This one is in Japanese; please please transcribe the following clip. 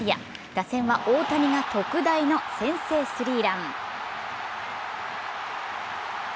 打線は、大谷が特大の先制スリーラン。